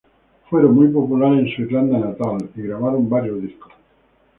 Fueron muy populares en su Irlanda natal y grabaron varios discos.